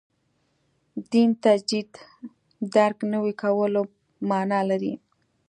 دین تجدید درک نوي کولو معنا لري.